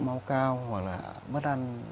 máu cao hoặc là mất ăn